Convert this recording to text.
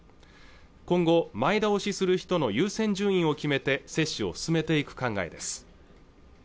今後前倒しする人の優先順位を決めて接種を進めていく考えです